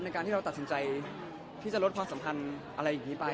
การที่เราตัดสินใจที่จะลดความสัมพันธ์อะไรอย่างนี้ไป